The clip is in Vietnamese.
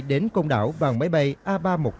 đến công đảo bằng máy bay a ba trăm một mươi chín